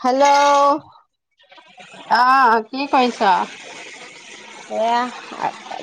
Hello অহ কি কৰিছ। এয়া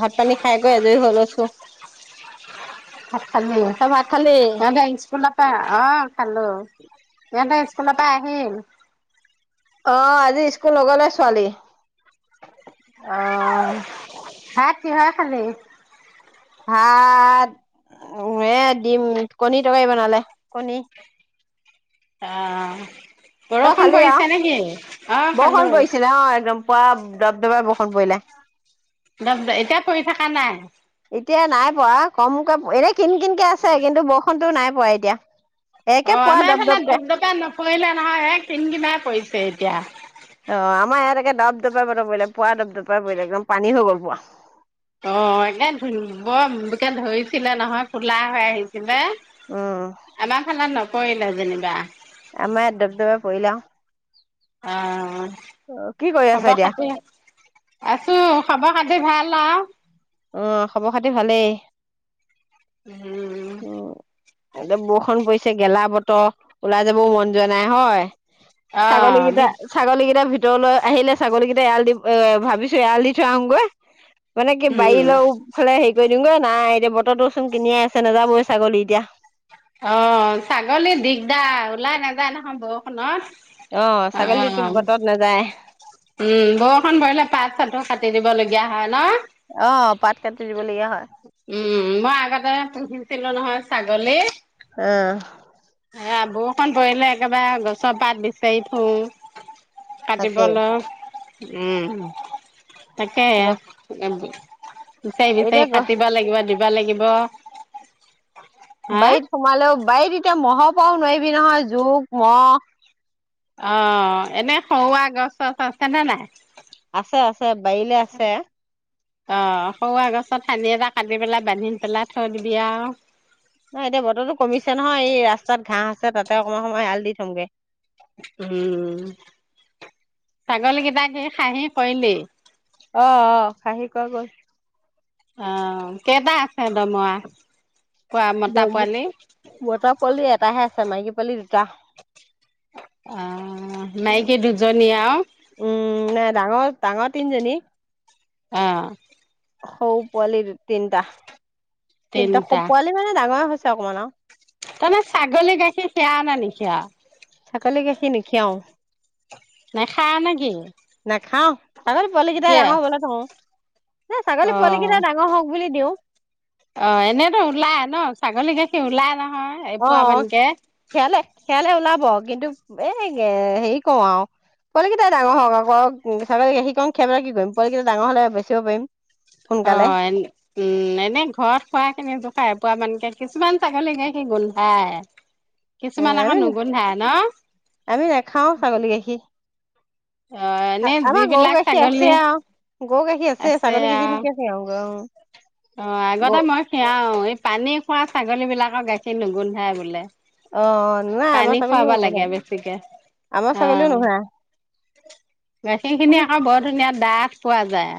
ভাত পানী খাইকৈ আজৰি হৈ লৈছোঁ। ভাত খালি অ' দে স্কুলৰ পৰা আহ খালোঁ‌। সিহঁ‌তে স্কুলৰ পৰা আহিল। আহ আজি স্কুল নগলে ছোৱালী অ শাক কিহয়ে খালি ভাত এ দিম কণী তৰকাৰী বনালে কণী আহ তই বৰষুণ খালি আৰু পৰিছে নেকি? অ খালো পোৱা দবদবা বষণ পৰিলে একম এতিয়া পৰি থকা নাই এতিয়া নাই পোৱা কম কাম এনে কিন কিনকে আছে কিন্তু বৰষুতো নাই পাই এদয়া [unintelligible] অ আমাৰ এইফালে দপ দপাই নপৰিলে নহয় এক কিনকিনাই পৰিছে তিয়া অ আমাৰ ইয়াত একে ডপ ডপাই ব বলে পুৱা দপ ডপাই বলে একদম পানী হৈ গ'ল পুৱা অ একে ধ বৰকে ধৰিছিলে নহয় খোলা হৈ আহিছিলে উম আমাৰ খানান ন পৰিলে যেনিবা আম এয়াত ডব ডবে পৰিলং অ অ কি কৰি আছা খবৰ এতিয়া? খাতি আছো খব খাতি ভাল আও? আহ খবৰ খাতি ভালেই। উম এ বৰষুণ পৰিছে গেলা বতৰ, ওলাই যাবও মন যোৱা নাই হয় ছাগলী আহ ভ গেইটা ছাগলীকেইটা ভিত ভিতৰলৈ আহিলে ছাগলীকেইটা এৰাল দি ভাবিছো এৰাল দি থৈ আহোগৈ মানে কি উম বাৰিলৈ ফালে গৈ দিউংগৈ নাই এতিয়া বতৰটোচোন কিনি ছে নেযাবই ছাগলী এতিয়া অ ছাগলী দিগদাৰ ওলাই নাযায় নহ'ব হল [unintelligible] ছাগলীতো অ বতৰত নাযায় উম বৰষণ ভৰিলে পাচ চাঠো কাটি দিব লাগিব দিয়া হয় ন অ পাত কাটি দিবলগীয়া হয় উম মই আগতে পুহিছিলো নহয় ছাগলী অ হে বৰষণ পৰিলে একেবাৰে গছৰ পাত বিচাৰি ফোং তাকে কাটিবলৈ উম। তাকে বিচাৰি এতিয়া বিচাৰি গ কাটিব লাগিব দিব। লাগিব। হা বাৱিত সোমালেও। বাৰীত এতিয়া মহৰ পৰাও নোৱাৰিবি নহয় জোক মহ অ এনে সৰুৱা গছ চছ আছেনে নাই আছে আছে বাৱিলে আছে অ সৰুৱা গছত থানি এটা কাটি পেলাই বান্ধি পেলাই থৈ দিবি আৰু নহ এতিয়া বতৰো কমিছে নহয় এই ৰাস্তাত ঘাঁহ আছে তাতে অকমান সময় এৱাল দি চুংগে উম ছাগলী কেইটাক খাহি কৱিলি অ অ খাহি কোৱা গল। আহ কেইটা আছে ডমৰা। জমু মতা পোৱালি এটাহে আছে। মাইকি পোৱালি দুটা। অ মাইকী দুজনী আও। উম নাই ডাঙৰ ডাঙৰ তিনিজনী। অহ। হও পোৱালি তিনটা। তিনটা পোৱালি মানে ডাঙৰ হৈছে চাকম ন তহঁতে ছাগলী গাখীৰ খিয়াঅ নে নিখিয়াঅ। ছাগলী গাখীৰ নিখিৱাও। নেখাৱ নে কি? খাওঁ। ছাগলী পোৱালি কিটা কিয় ডাঙৰ হবলে থও। অ দিওঁ আহ এনেতো ওলাই ন ছাগলী গাখী কি ওলাই নাহ অ খিয়ালে। খিয়ালে ওলাব কিন্তু। বেগ সেই। কওঁ আৰু পোৱালিকেইটাই ডাঙৰ হওঁক আ ক ছাগলী গাখীৰকন খিয়াই কেনে কি কৰিম পোৱালি কেইটা ডাঙৰ হলে বেচিব পাৰিম। অ সোনকালে এ উম এনেই ঘৰত খোৱা কে ক খাই পোৱা এপোৱা মানকে কিছুমান ছাগলী গাখী গোন্ধাই উ কিছুমান আকৌ আমি নুগোন্ধাই ন আমি নে খাওঁ ছাগলী গাখীৰ। অ এনে আমাৰ গৰু যিবিলাক গাখীৰ ছাগলী আছে আৰু গৰু গাখীৰ আছে ছাগলী গাখীৰ কিয় ক্ষীণ ক আহ গ অ আগতে মই খিৰাও এই পানী খোৱা ছাগলী বিলাকৰ গাখীৰ নুগোন্ধাই বোলে অ নাই আমাৰ পানী ছাগলীও খুৱাব নবনাই লাগে বেছিকে আমাৰ অ ছাগলীও নহয় গাখীৰ খিনি কিন্তু আকৌ বৰ ধুনীয়া ডাঠ পোৱা যায়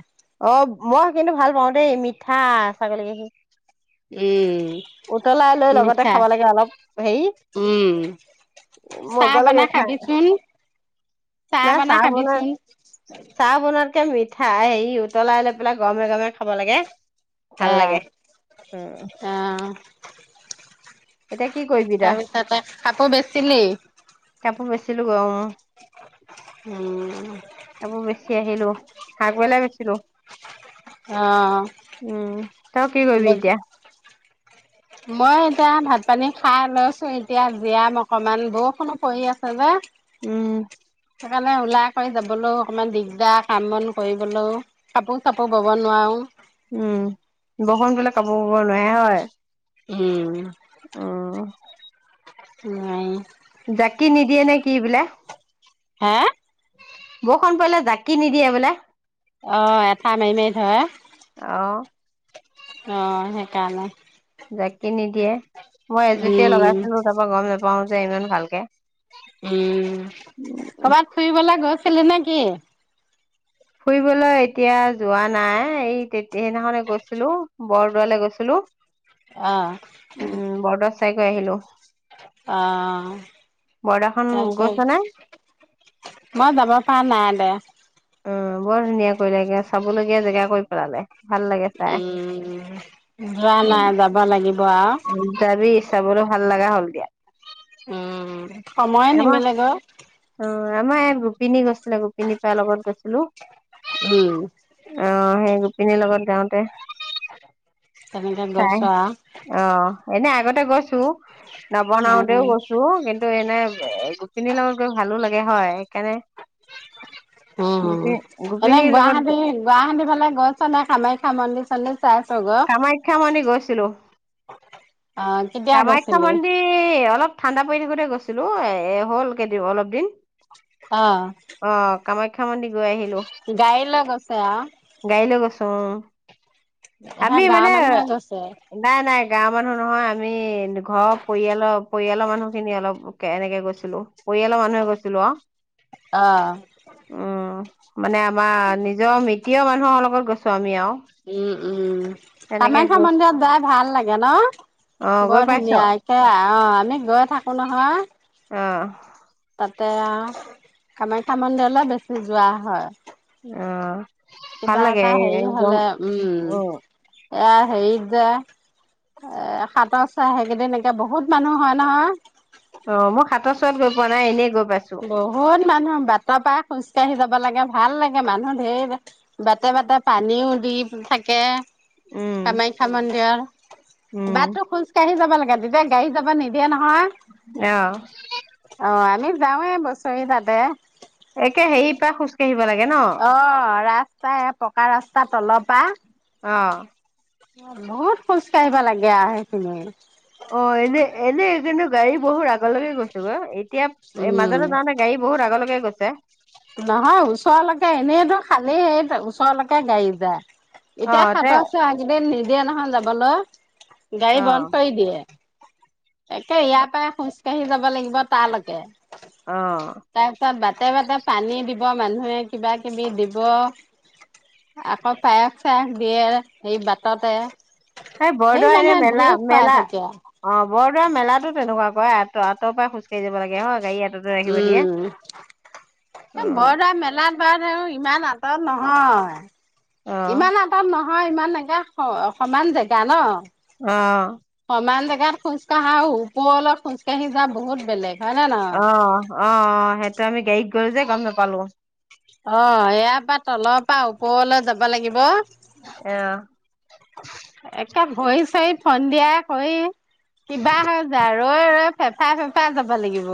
অ মই কিন্তু ভাল পাওঁ দেই মিঠা ছাগলী কেইখিন উম উতলাই লৈ লগতে মিঠা খাব লাগে অলপ হেৰি উম চাহ মজা লাগে বনাই খাই খাবিচোন নাই বনাই চাহ বনাত খাবিচোন চাহ বনোৱাতকে মিঠ উঠাই এই উতলাই লৈ পেলাই গৰমে গৰমে খাব লাগে ভাল অ লাগে উম এতিয়া কি কৰিবি তই তাৰ পিছতে কাপোৰ বেচিলি কাপোৰ বেচিলো অহ উম আকৌ বেচি আহিলো আগবেলাই বেচো উম তই কি কৰিবি অ এতিয়া মই এতিয়া ভাত পানী খাই লৈছো এতিয়া জীয়াম অকমান বৰষুণো পৰি আছে যে উম সেইকাৰণে ওলাই কৰি যাবলৈও অকণমান দিগদাৰ কাম বন কৰিবলৈও কাপোৰ চাপোৰ বব নোৱাৰোঁ উম বৰষুণ পৰিলে কাপোৰ ব নোৱাৰে হয় উম আহ নোৱাৰি জাকি নিদিয়ে নে কি বোলে হে বৰষুণ পৰিলে জাকি নিদিয়ে বোলে অ এটা মাৰি মাৰি ধয় অ' অ সেইকাৰণে জাকি নিদিয়ে মই এজুতিয়ে উম লগাইছিলো তাৰাপা গম নাপাওঁ পাওঁ যে ইমান ভালকে উম কৰ'বাত ফুৰিবলৈ গছ উঠিছে নেকি ফুৰিবলৈ এতিয়া যোৱা নাই এই তে সেইদিনাখনে গৈছিলো বৰদোৱালৈ গৈছিলো আহ উ চাইকৈ আহিলো আহ বৰদোৱাখন তাৰ গৈছ নে পিছত মই যাব প নাই দে অ বৰ ধুনীয়া কৰিলেগে চাবলগীয়া জেগা কৈ পেলালে ভাল লাগে চাই উম যোৱা নাই যাব লাগিব আও চাবলে ভাল লগা হ'ল দিয়া উম। সময়ে আমাৰ নিমিলে গৈ অ আমাৰ ইয়। গোপিনী গৈছিলে গোপিনী পাৰ লগত গৈছিলো উম অহ। সেই গোপিনীৰ লগত যাওঁতে। তেনেকে চাই গৈছো অ এনে আগতে। তে গছো। নব আৰু উম নওতেও গৈছো কিন্তু এনে গোখিনি লগত গৈ ভালো লাগে। গে হয় সেইকাৰণে। উম গোপি এনেই গোপিনীৰ লগত গুৱাহাটী গুৱাহাটী ফালে গৈছ নে খাম। মন্দি চণ্ডী। কামাখ্যা মন্দি গৈছিলো। অ কেতিয়া কামাখ্যা গৈছিলি মন্দিৰ অলপ। ঠাণ্ডা পৰি থাকোতে গৈছিলো এ হ'ল কেইদিন অলপ দিন। অহ অ কামাখ্যা মন্দি। গাই লৈ গৈচ আও। অহ আমি গাঁৱৰ মানে মানুহে গৈছে নাই নাই। গাঁৱৰ মানুহ নহয় আমি ঘৰৰ পৰিয়ালৰ পৰিয়ালৰ মানুহ খিনি অলপ এনেকে গৈছিলো পৰিয়ালৰ মানুহে গৈছিলো। অ অহ মানে আমাৰ নিজৰ মৃত। তিয়া মানুহৰ লগত গছো আমি আও উম, উম কামাখ্যা গৈ মন্দিৰত যাই ভাল লাগে ন অ গৈ বৰ পাইছ ধুনীয়া একে অ আমি গৈ থাকো নহয়। অ তাতে কামাখ্যা মন্দিৰলৈ বেছি যোৱা হয়। অহ কিবা এটা হে হলে উম অ এয়া হেৰিত যে এ সাতৰ চাই সেইকেইদ এনেকে বহুত মানুহ হয় নহয়। অ মোক সাতৰ চৰত গৈ পোৱা নাই এনেই গৈ। পাইছো বহুত মানুহৰ বাটৰ পৰা খোজ কঢ়ি যাব। লাগে ভাল লাগে মানুহ ঢেৰ বাটে বাটে পানীও দি থাকে। উম কামাখ্যা মন্দিৰ। উম বাটটো খোজ কাঢ়ি যাব লাগে। গাড়ীত যাব নিদিয় নয় অ অ অ যাওঁৱে বছৰি তাতে একে হেৰি পৰা খোজ কাঢ়িব লাগে ন তাই পকা ৰাস্তাৰ তলপা আহ বহুত খোজ কাঢ়িব লাগে সেইখিনি অ এনে এনেনে গাড়ী বহু ৰা আগলৈকে গৈছো গ এতিয়া উম মাজতে যা নে গাড়ী বহুত আগলৈকে গৈছে নহয় ওচৰলৈকে এনেইটো খালেই ওচৰলৈকে গাড়ী যায় অ এতিয়া তে সাতৰ আছো আগেইদিন নি দিয়া নহয় যাবলৈ অ গাই বন কৰি দিয়ে তাকে ইয়া পৰাই কঢ়ি যাব লাগিব তালৈকে অ তাতে বাতে পানী দিব মানুহে কিবা কিবি দিব আকৌ পায়স চায়স দিয়ে সেই বাটতে এই সেই বৰদোৱা এনে মানে মেলা ঢেৰ খুৱাই মেলা থাকে। অ বৰদোৱা মেলাতো তেনেকুৱা কয় ত আঁৰ খোজকাঢ় যাব লাগে হ গাড়ী আঁতৰতে ৰাখিব দিয়ে উম অ এ বৰদোৱা মেলাত বাৰ আৰু ইমান আঁতৰত অ নহয় ইমান আটাত নহয় নয় ইমান এনেকা সমান জেগা ন অঁ ইমান জেগাত খোজকাঢ়া আৰু ওপৰলৈত খোজকাঢ়ি যা বহুত বেলেগ হয় নে নহয়? অ অ অ সেই মি গাইত গ যে গম নাপালো অ ইয়াৰ পৰা তলৰ পৰা ওপৰলৈ যাব লাগিব আহ এ ভৰি চৰিত সন্ধিয়া কৰি কিবা হয় যায় আৰু ৰৈ ৰৈ ফেফাই ফেফাই যাব লাগিব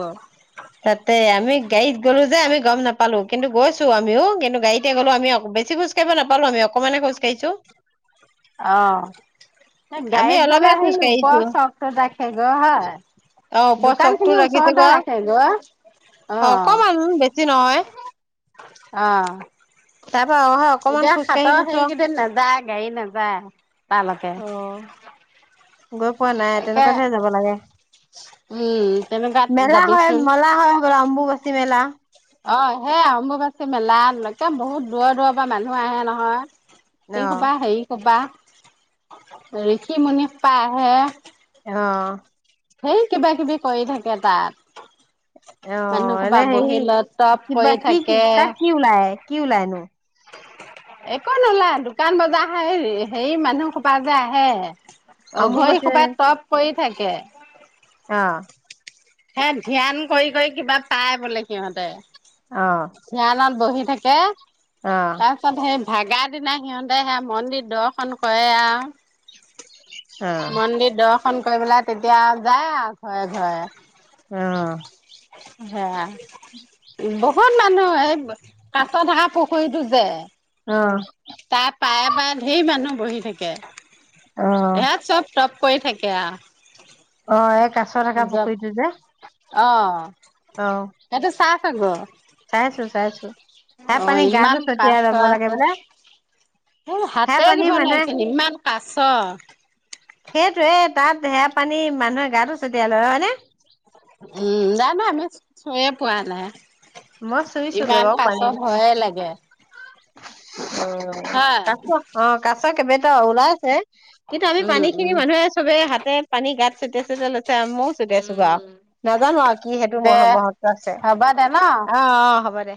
তাতে আমি গাইত গলো যে আমি গম নাপালো কিন্তু গৈছো আমিও কিন্তু গাড়ীতে গলো আমি বেছি খোজাঢ়িব নাপালো আমি অকমান খোজ কাঢ়ছো অহঁ গাড়ীত গলো অলপহে সি খোজ ওপৰ কাঢ়িছো চক ৰাখেগ হয় অ ওপৰ দোকান চকটো খিনি ৰাখিছো গ ওচৰতে ৰাখেগৈ অহ। অকমান বেছি নহয় অ। তাৰপ অহ অকমান খোজকাঢ়ি গৈছো। গাড়ি নেযায়। তালৈকে। অ গৈ পোৱা নাই একে তেনেকুৱাতেহে যাব লাগে উম, তেনেকুৱাত মেলা হয় যাবিচোন। মেলা হয় হ আম্বুছে। মেলা। অ সেই অম্বুবাচী মেলাত বহুত দূৰৰ দূৰৰ পৰা মানুহ আহে নহয়। অ এই কবা সেৰি কবা। ঋষি মুনি হোপা আহে। অহ সেই কিবা কিবি কৰি থাকে তাত। অ মানুহ সোপা এনে হেৰি বহি লৈ টপ কৰি কিবা কি কি থাকে তাত কি ওলাই হয়। কি ওলাইনোঢ়। একো নোলাই দোকান বজাৰ হ হেৰি মানুহ হোপা যে আহে। অ ঘৰি অম্বুবাচী হোপাই চপ কৰি থাকে। কে। অহ হে ধ্যান কৰি কৰি কিবা পাই বোলে সিহঁতে। অহ। ধ্যানত বহি থাকে। তাৰপিছত সেই। ভাগাৰ দিনা সিহঁতে সে মন্দিৰ দৰ্শন কৰে আৰু। মন্দিৰ দৰ্শন। ফোন কৰি পেলাই তেতিয়া যায় আৰু ঘৰে ঘৰে। অহ। সেয়াই অহ। বহুত মানুহ এই কাছত ধাকা পুখুৰীটো যে। অ অ তাৰ পায় পায় ধেৰি মানুহ। বহি থাকে। অ এইয়াত চব চব। কৰি থাকে আও। অ এক। অ অ সেইহটো চাফ। চাই। চাইছো চাইছো সেয়া অ পানী গাটো ইমান ছটিয়াই কাচ লব লাগে আছে বোলে সেয়া হাতে পানী দিব মানুহে নোৱাৰিছিল ইমান কাছ। সেইটোোৱয়ে তাত ধেৰা পানী মানুহে গাটো ছটিয়াই লয় হয়নে উম ন ন আমি চয়ে পোৱালাই মই চুইছোগৈ ইমান বাৰু কাছ পানীটো ভয়ে লাগে অ হয় কাছ অ কাছ কেইবটা ওলাই আছে কিন্তু আমি পানী উম খিনি উম মানুহে চবে হাতে পানী গাত ছটিয়াই চটিয়াই লৈছে ময়ও ছটিয়াইছো গা উম নাজানো আৰু কি সেইটো দে মহত্ব আছে হ'ব দে ন অহ অ হ'ব দে